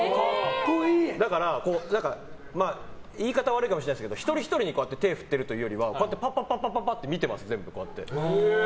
だから、言い方悪いかもしれないですけど一人ひとりに手を振ってるというよりはこうやって、パッパッて見てます。